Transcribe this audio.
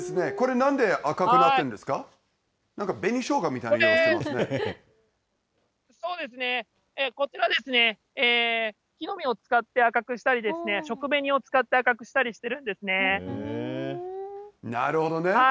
なんか紅しょうがみたいな色をしそうですね、こちらですね、木の実を使って赤くしたりですね、食紅を使って赤くしたりしてるんなるほどね。